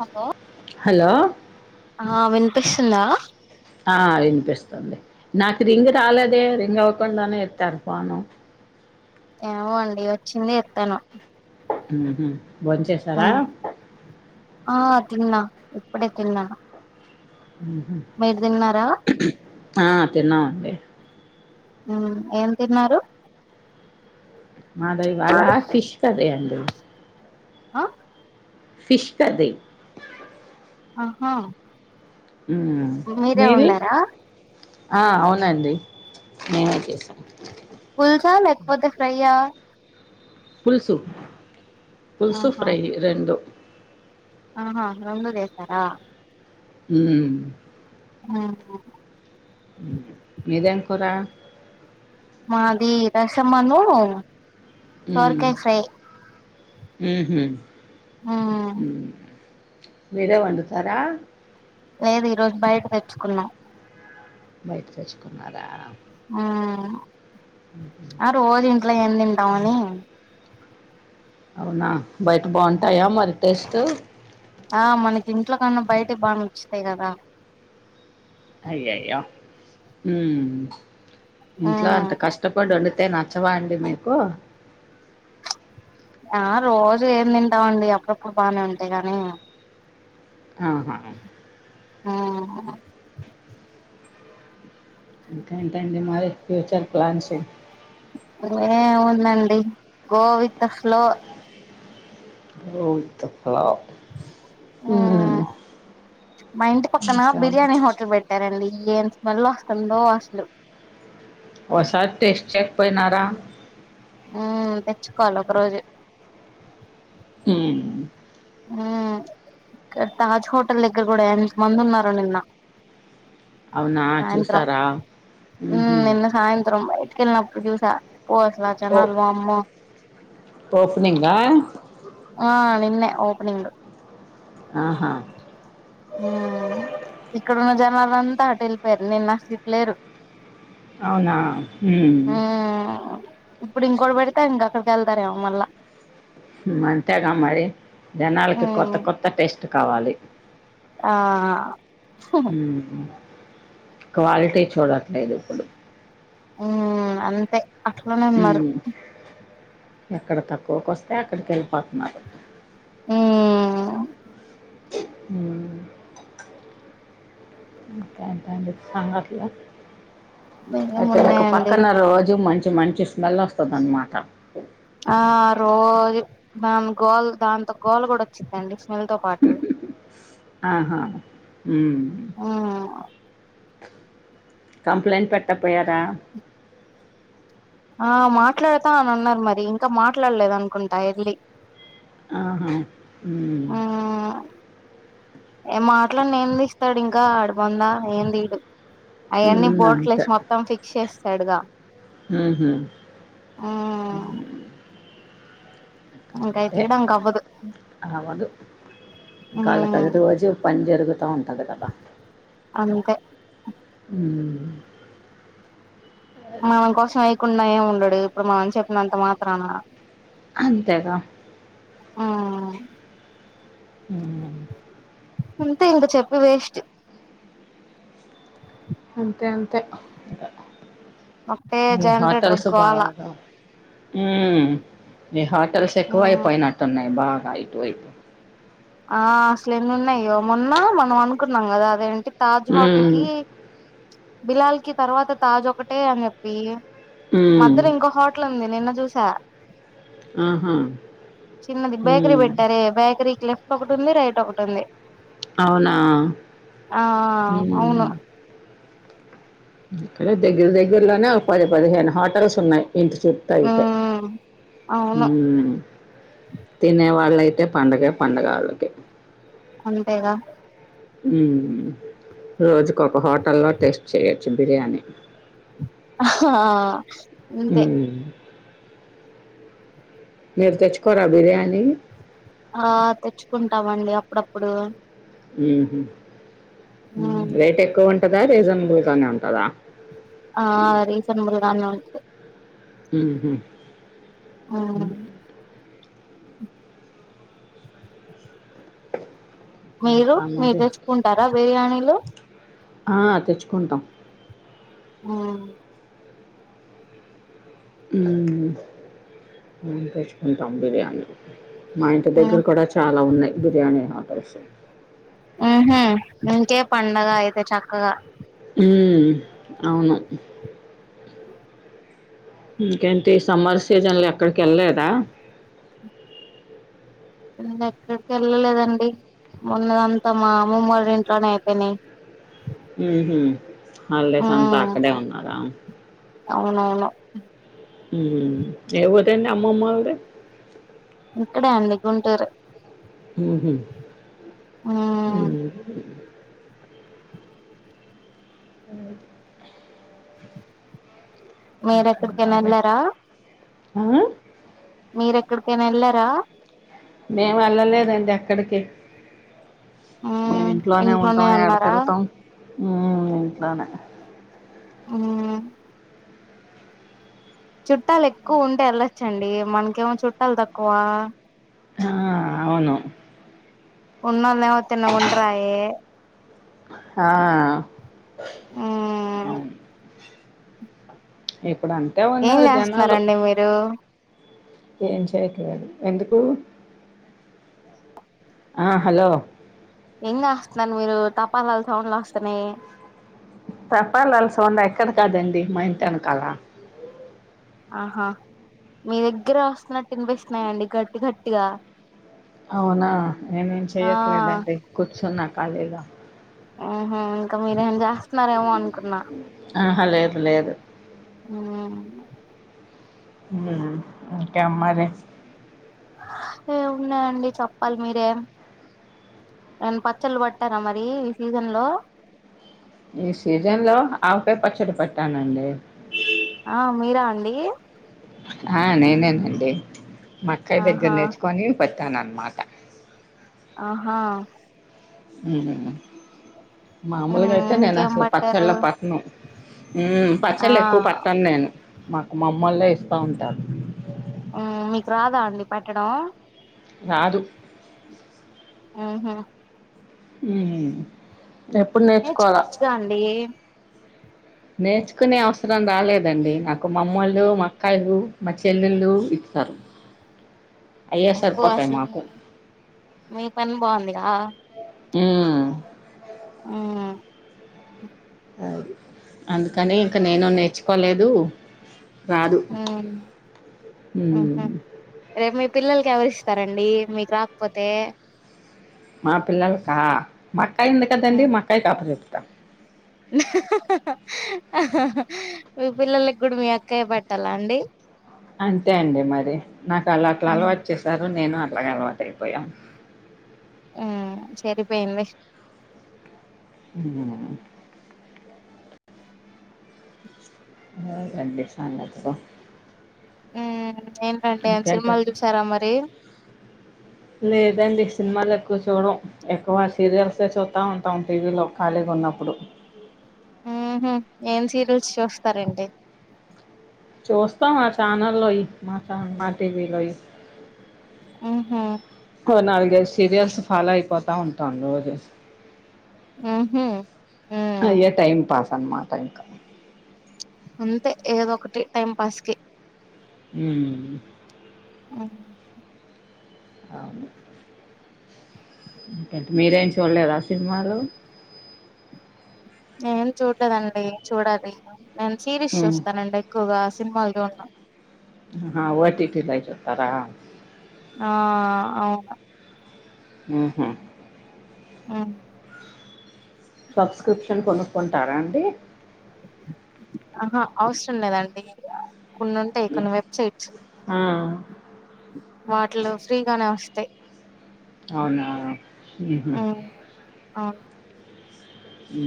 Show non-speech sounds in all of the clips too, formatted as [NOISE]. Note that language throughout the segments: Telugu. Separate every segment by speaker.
Speaker 1: హలో
Speaker 2: హలో
Speaker 1: ఆ వినిపిస్తుందా
Speaker 2: ఆ వినిపిస్తుంది నాకు రింగ్ రాలేదే రింగ్ అవ్వకుండానే ఎత్తాను ఫోను
Speaker 1: ఏమో అండి వచ్చింది ఎత్తాను
Speaker 2: ఉహు భోంచేసార
Speaker 1: ఆ తిన్నా ఇప్పుడే తిన్నాను
Speaker 2: అహ
Speaker 1: మీరు తిన్నారా
Speaker 2: ఆ తిన్నాం అండి
Speaker 1: ఆ ఏం తిన్నారు
Speaker 2: మాది ఇవాళ ఫిష్ కర్రీ అండి
Speaker 1: ఆ
Speaker 2: ఫిష్ కర్రీ
Speaker 1: ఆహా
Speaker 2: మ్మ్
Speaker 1: మీరే
Speaker 2: మీది
Speaker 1: ఉండారా
Speaker 2: ఆ అవునండి నేనే చేశాను
Speaker 1: పులుసా లేకపోతే ఫ్రై ఆ
Speaker 2: పులుసు పులుసు
Speaker 1: ఆహా
Speaker 2: ఫ్రై రెండు
Speaker 1: ఆహా రెండు చేశార
Speaker 2: ఉను
Speaker 1: అవున
Speaker 2: మీదేం కూర
Speaker 1: మాది రసమను
Speaker 2: మ్మ్
Speaker 1: సోరకాయ ఫ్రై
Speaker 2: ఊహు మ్మ్ మీరే వండుతార
Speaker 1: లేదు ఈ రోజు బయట తెచ్చుకున్నా
Speaker 2: బయట తెచ్చుకున్నారా
Speaker 1: ఆ రోజు ఇంట్లో ఏం తింటామని
Speaker 2: అవునా బయట బాగుంటాయా మరి టేస్టు
Speaker 1: ఆ మనకి ఇంట్లో కన్నా బయటే బాగా నచ్చుతాయి కదా
Speaker 2: అయ్యయ్యా మ్ ఇంట్ల
Speaker 1: కదా
Speaker 2: అంత కష్ కష్టపడి వండితే నచ్చవా అండి మీకు?
Speaker 1: ఆ రోజు ఏం తింటామండీ అప్పుడప్పుడు బానే ఉంటాయి గానీ,
Speaker 2: ఆహా
Speaker 1: ఉ
Speaker 2: ఇంకేంటండి మరి ఫ్యూచర్ ప్లాన్స్
Speaker 1: ఏ ఏముందండి go with the flow
Speaker 2: go with the flow ఉమ్
Speaker 1: మ్ మా ఇంటి పక్కన
Speaker 2: ఇంకా
Speaker 1: బిర్యానీ హోటల్ బెట్ పెట్టారండి ఏం స్మెల్ వస్తుందో అసలు
Speaker 2: ఓసారి టెస్ట్ చెయ్యకపోయినారా
Speaker 1: మ్ తెచ్చుకోవాలి ఒక రోజు
Speaker 2: మ్
Speaker 1: మ్ ఇక్కడ తాజ్ హోటల్ దగ్గర కూడ ఎంత మంది ఉన్నారో నిన్న
Speaker 2: అవునా
Speaker 1: సాయంత్రం.
Speaker 2: చూసారా
Speaker 1: మ్
Speaker 2: ఉహు
Speaker 1: నిన్న సాయంత్రం బయట తిన్నప్పుడు చూసా ఓ అసలు ఆ జనాలు వామ్మో
Speaker 2: ఓపనింగ్ ఆ
Speaker 1: ఆ నిన్నె ఓపెనింగ్.
Speaker 2: ఆహా
Speaker 1: మ్ ఇక్కడున్న జనాలు అంతా అటు ఎళ్ళిపోయారు నిన్న అసలు ఇటు లేరు
Speaker 2: అవునా మ్
Speaker 1: ఆ ఇప్పుడు ఇంకోటి పెడితే ఇంక అక్కడికి ఎల్తారేమో మళ్ల
Speaker 2: హుం అంతేగా మరి జనాలకి కొత్త
Speaker 1: ఉమ్
Speaker 2: కొత్త టేస్ట్ కావాలి
Speaker 1: ఆ
Speaker 2: మ్ క్వాలిటీ చూడట్లేదు ఇప్పుడు
Speaker 1: మ్మ్ అంతే అట్లనే ఉన్నారు
Speaker 2: మ్ ఎక్కడ తక్కువకి వస్తే అక్కడికి వెళ్ళిపోతున్నారు.
Speaker 1: మ్మ్
Speaker 2: మ్ ఇంకా ఏంటండీ సంగతులు ఇక్కడ ఒక
Speaker 1: ఏమున్నాయండి
Speaker 2: పక్కన రోజు మంచి మంచి స్మెల్ వస్తది అనమాట
Speaker 1: ఆ రోజు దాన్ గోలు దాంతో గోలు కూడా వచ్చుద్దండి
Speaker 2: ఆహా మ్
Speaker 1: ఉమ్
Speaker 2: కంప్లైంట్ పెట్టక పోయారా
Speaker 1: ఆ మాట్లాడతా అని అన్నారు మరి ఇంకా మాట్లాడలేదు అనుకుంటా ఎల్లి
Speaker 2: ఆహ మ్
Speaker 1: ఉమ్ ఏ మాట్లాడిన ఏం తీస్తాడు ఇంకా వాడి బొంద ఏం తీయడు అయన్నీ
Speaker 2: ఉమ్, అంతే
Speaker 1: బోట్లెసి మొత్తం ఫిక్స్ చేసాడుగా
Speaker 2: మ్ హు మ్
Speaker 1: ఇంక అయి
Speaker 2: అంతే
Speaker 1: తీయడానికి అవ్వదు
Speaker 2: అవ్వదు. ఇంక ఆళ్లకి అది
Speaker 1: ఉమ్
Speaker 2: రోజు పని జరుగుతా ఉంటాది కదా
Speaker 1: అంతె
Speaker 2: మ్
Speaker 1: మనం కోసం వెయ్యకుండా ఏం ఉండడు ఇప్పుడు మనం చెప్పినంత మాత్రాన
Speaker 2: అంతేగా
Speaker 1: ఉమ్
Speaker 2: మ్
Speaker 1: అంతే ఇంకా చెప్పి వేస్ట్
Speaker 2: అంతే అంతే
Speaker 1: ఒకటే
Speaker 2: ఈ
Speaker 1: జనరేటర్
Speaker 2: హాటల్స్
Speaker 1: గోల
Speaker 2: బాగా ఊ ఈ హోటల్స్ ఎక్కువ
Speaker 1: ఉమ్
Speaker 2: అయిపోయినట్టున్నాయి బాగా ఇటు వైపు
Speaker 1: ఆ అసలు ఎన్ని ఉన్నాయో మొన్న మనం అనుకున్నాం కదా అదేంటి తాజ్ హోటల్
Speaker 2: హ్మ్
Speaker 1: కి బిలాల్ కి తర్వాత తాజ ఒకటే అని చెప్పి
Speaker 2: హ్మ్
Speaker 1: మధ్యలో ఇంకో హా ఇట్ల ఉంది నిన్న చూసా
Speaker 2: ఆహా
Speaker 1: చిన్నది బేకరీ
Speaker 2: హ్మ్
Speaker 1: పెట్టారే బేకరి కి లెఫ్ ఒకటి ఉంది రైట్ ఒకటి ఉంది
Speaker 2: అవునా
Speaker 1: ఆ
Speaker 2: హ్మ్
Speaker 1: అవును
Speaker 2: ఇక్కడ దగ్గర దగ్గరలోనే ఒక పది పదిహేను హోటల్స్ ఉన్నాయి ఇంటి చు త అయితే
Speaker 1: ఉమ్
Speaker 2: ఊ
Speaker 1: అవును
Speaker 2: తినే వాళ్ళైతే పండగే పండగ వాళ్ళకి
Speaker 1: అంతేగా
Speaker 2: ఉహు రోజుకు ఒక హోటల్లో టేస్ట్ చేయొచ్చు బిర్యానీ
Speaker 1: అహా
Speaker 2: ఉ మీరు తెచ్చుకోరా బిర్యానీ
Speaker 1: ఆ తెచ్చుకుంటమండి అపుడప్పుడు
Speaker 2: ఉహు ఉ
Speaker 1: మ్మ్
Speaker 2: రేట్ ఎక్కువ ఉంటదా రీజనబుల్గానే ఉంటదా
Speaker 1: ఆ రీజనబుల్గానే ఉంటది
Speaker 2: ఉహు ఉ
Speaker 1: మ్మ్ మీరు
Speaker 2: ఇంకా
Speaker 1: మీరు
Speaker 2: మరి
Speaker 1: తెచ్చుకుంటారా బిర్యానీలు
Speaker 2: ఆ తెచ్చుకుంటాం
Speaker 1: ఊ
Speaker 2: ఉ ఉ తెచ్చుకుంటాం బిర్యానీలు మా ఇంటి దగ్గర కూడా చా చాలా ఉన్నాయి బిర్యానీ ఆర్డర్స్
Speaker 1: ఉహు ఇంకే పండగ అయితే చక్కగా
Speaker 2: ఉహ్ అవును
Speaker 1: [INAUDIBLE]
Speaker 2: ఇంకేంటి సమ్మర్ సీజన్ లో ఎక్కడకి వెళ్లేదా
Speaker 1: ఎక్కడికి వెళ్ళలేదండి మొన్నంత మా మ ఇంట్లోనే అయిపోయినాయి
Speaker 2: ఉ హు హాలిడేసంతా
Speaker 1: మ్మ్
Speaker 2: అక్కడే ఉన్నారా
Speaker 1: అవునవును
Speaker 2: ఊ ఏ ఊరకండి అమ్మమ్మోల్ది
Speaker 1: ఇక్కడే అండి గుంటూరు
Speaker 2: ఉహు
Speaker 1: మ్మ్
Speaker 2: ఉహు అడగద్దు ఇంకే
Speaker 1: మీరెక్కడికైనా
Speaker 2: మరి
Speaker 1: వెళ్ళారా
Speaker 2: ఊ
Speaker 1: మీరెక్కడికైన వెళ్ళారా
Speaker 2: మేము వెళ్ళలేదండి ఎక్కడికి మేం ఇంట్లోనే ఉంటాం ఏడకి వెళ్తాం ఊ ఇంట్లోనే
Speaker 1: ఊ చుట్టాలు ఎక్కువ ఉంటే వెళ్లొచ్చండి మనకేమో చుట్టాలు తక్కువ
Speaker 2: ఆ అవును
Speaker 1: ఉన్నోలేమో తిన్నగ ఉండరాయే
Speaker 2: హా
Speaker 1: మ్మ్
Speaker 2: అవును ఎప్పుడు అండ్
Speaker 1: ఏం చేస్త్నారండి మీరు?
Speaker 2: ఏం చెయ్యట్లేదు ఎందుకు ఆ హలో
Speaker 1: ఎం చెస్త్నారు మీరు తపాలాల్ సౌండ్లు వస్తున్నయ్
Speaker 2: తపాలాల్ సౌండ్ ఎక్కడ కాదండి మా ఇంటి ఎనకాల
Speaker 1: ఆహా మీ దెగ్గెరె వస్త్నట్టు విన్పిస్తున్నాయండి గట్టి గట్టిగా
Speaker 2: అవునా నేనేం
Speaker 1: ఆ
Speaker 2: చెయట్లేదండి కూర్చున్నా ఖాళీగా
Speaker 1: ఊహూ ఇంకా మీరేం చేస్తున్నారేమో అన్కున్నా?
Speaker 2: ఆహా లేదు లేదు
Speaker 1: ఉమ్
Speaker 2: ఉమ్ ఇంకేం మరి?
Speaker 1: ఏం ఉన్నాయండి చెప్పాల్ మీరే? ఏన్ పచ్చళ్ళు పట్టారా మరి ఈ సీజన్ లో?
Speaker 2: ఈ సీజన్ లో ఆవకాయ పచ్చడి పట్టానండి
Speaker 1: ఆ మీరా అండి
Speaker 2: ఆ నేనేనండి మా అక్కయ్ దగ్గర
Speaker 1: ఆహా
Speaker 2: నేర్చుకొని పట్టానన్ మాట
Speaker 1: ఆహా
Speaker 2: ఊహు మామూలుగా
Speaker 1: మ్మ్
Speaker 2: అయితే నేను
Speaker 1: ఇంకేం
Speaker 2: అసలు
Speaker 1: పట్టారు
Speaker 2: పచ్చల్లు పట్ను. ఊ పచ్చలెక్కువ
Speaker 1: ఆ
Speaker 2: పట్టన్ నేను మా అమ్మోల్లే ఇస్తా ఉంటారు.
Speaker 1: ఊ మీకు రాదా అండి పట్టడం
Speaker 2: రాదు
Speaker 1: ఊ హు
Speaker 2: ఉమ్ ఎప్పుడు నేర్చుకోవాలా
Speaker 1: నేర్చుకోవచ్చుగా అండీ
Speaker 2: నేర్చుకునే అవసరం రాలేదండి నాకు మా అమ్మోళ్ళు, మా అక్కాయ్ లు, మా చెల్లెళ్ళు ఇత్తారు [INAUDIBLE]
Speaker 1: అబ్బొ! అసలు మీ పని బాగుందిగా?
Speaker 2: ఉమ్
Speaker 1: ఊ
Speaker 2: అది అందుకని ఇంకా నేను నేర్చుకోలేదు రాదు
Speaker 1: మ్మ్
Speaker 2: ఊ
Speaker 1: ఊహు రేపు మీ పిల్లలకి ఎవరు ఇస్తరండి మీకు రాక్పోతే
Speaker 2: మా పిల్లల్కా మక్కాయ్ ఉంది కదండడి
Speaker 1: మ్మ్
Speaker 2: మక్కాయ్ కి అప్పజెప్
Speaker 1: మీ పిల్లలకి కూడా మీ అక్కయ పెట్టాలా అండి
Speaker 2: అంతే అండి మరి నాకు అళ్లాట్లు
Speaker 1: మ్మ్
Speaker 2: అలవాట్ చేసారు నేను అట్లాగ అలవాటు అయిపోయాం
Speaker 1: ఆ చెరిపోయింది
Speaker 2: ఉమ్ అండి సంగతులు
Speaker 1: ఉమ్ ఏం సినిమాలు
Speaker 2: ఇకేంటండి
Speaker 1: చూసారా మరి
Speaker 2: లేదండి సిన్మాలు ఎక్కువ చూడం ఎక్కువ సీరియల్సే చూత్తా ఉంటాం టీవీలో ఖాళీగా ఉన్నప్పుడు
Speaker 1: ఊహు ఏం సీరియల్స్ చూస్తారండి?
Speaker 2: చూస్తాం మా ఛానల్లోయి మాతాన్ మా టీవీ లోయి
Speaker 1: ఊహు
Speaker 2: ఓ నాలుగైదు సీరియల్స్ ఫాలో అయిపోతా ఉంటాను రోజు.
Speaker 1: ఓహో ఉ
Speaker 2: అయ్యే టైం పాస్ అనమాట ఇంకా
Speaker 1: అంతే ఏదో ఒకటి టైం పాస్కి
Speaker 2: ఉమ్
Speaker 1: ఆ
Speaker 2: అవును కటు మీరేం చూడలేదా సినిమాలు
Speaker 1: నేన్ చూడలేదండి చూడాలి ఇంకా నేను సిరీస్
Speaker 2: ఉమ్
Speaker 1: చూస్తానండి ఎక్కువగా సినిమాలు చూన్ను.
Speaker 2: ఆ ఓటిటిలు అవి చూస్తారా
Speaker 1: ఆ అవుకా
Speaker 2: ఉహో
Speaker 1: ఆ
Speaker 2: సబ్స్క్రిప్షన్ కొనుక్కుంటారా అండి
Speaker 1: ఆహా అవసరం లేదండి కొన్ని ఉంటాయ్ కొన్ని వెబ్సైట్స్.
Speaker 2: ఆ
Speaker 1: వాటిలో ఫ్రీగానే వస్తాయి
Speaker 2: అవునా ఉహు
Speaker 1: అవున్
Speaker 2: ఉ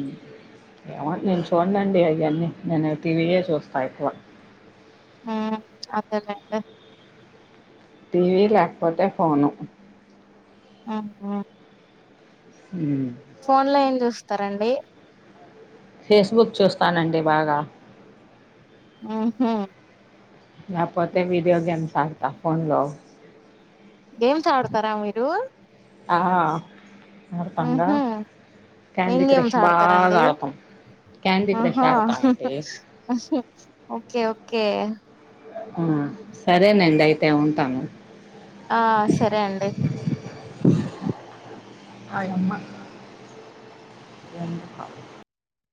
Speaker 2: ఏమో నేను చూనండి అవన్నీ నేను టీవీయే చూస్తా ఎక్కువ.
Speaker 1: ఉ అదేలే
Speaker 2: టీవీ ల్యాకపోతే ఫోను
Speaker 1: ఆ హో
Speaker 2: ఉ
Speaker 1: ఫోన్లో ఏం చూస్తారండి
Speaker 2: ఫేస్ బుక్ చూస్తానండి బాగా
Speaker 1: ఆహో
Speaker 2: ల్యాపోతే వీడియో గేమ్స్ ఆడతా ఫోన్లో
Speaker 1: గమ్స్ ఆడతారా మీరు
Speaker 2: ఆ ఆడుతంగా
Speaker 1: ఉహు. ఏం
Speaker 2: క్యాండీ
Speaker 1: గేమ్స్
Speaker 2: క్రష్ బాగా
Speaker 1: ఆడతారండి
Speaker 2: ఆడతాం క్యాండీ క్రష్ ఆడతాం అంటే
Speaker 1: ఆహో ఓకే ఓకే
Speaker 2: ఉ సరేనండి అయితే ఉంటాము
Speaker 1: ఆ సరే అండి
Speaker 2: ఆయమ్మ రెండు కాల్